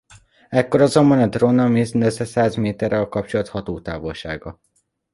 Ekkor azonban a drónnal mindössze száz méter a kapcsolat hatótávolsága.